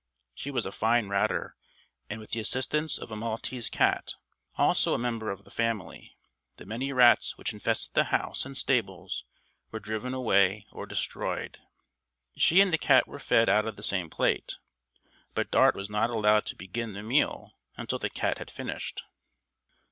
She was a fine ratter, and with the assistance of a Maltese cat, also a member of the family, the many rats which infested the house and stables were driven away or destroyed. She and the cat were fed out of the same plate, but Dart was not allowed to begin the meal until the cat had finished.